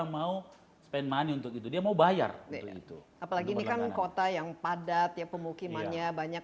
mau spend money untuk itu dia mau bayar itu apalagi ini kan kota yang padat ya pemukimannya banyak